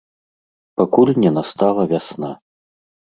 Пакуль не настала вясна.